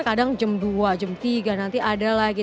kadang jam dua jam tiga nanti ada lagi